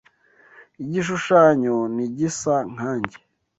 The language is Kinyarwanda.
Igishushanyo ntigisa nkanjye.